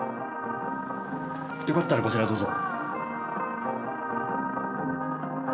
よかったらこちらどうぞ。